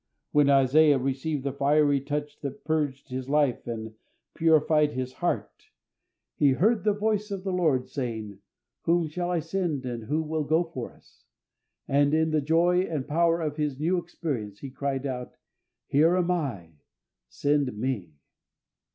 When Isaiah received the fiery touch that purged his life and purified his heart, he "heard the voice of the Lord, saying, Whom shall I send, and who will go for Us?" And in the joy and power of his new experience, he cried out, "Here am I; send me!"